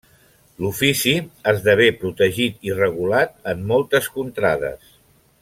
L'ofici esdevé protegit i regulat en moltes contrades.